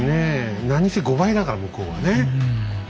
何せ５倍だから向こうはね。